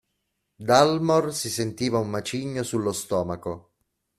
Dalmor si sentiva un macigno sullo stomaco.